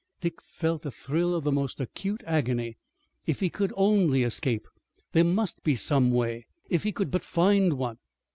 Dick felt a thrill of the most acute agony. If he could only escape! There must be some way! If he could but find one!